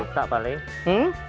dua puluh juta paling